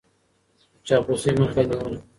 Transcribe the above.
د چاپلوسۍ مخه يې نيوله.